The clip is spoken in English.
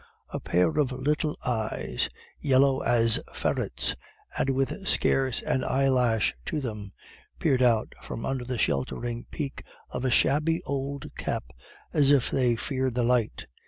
A pair of little eyes, yellow as a ferret's, and with scarce an eyelash to them, peered out from under the sheltering peak of a shabby old cap, as if they feared the light.